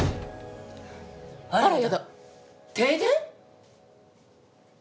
あらやだ停電？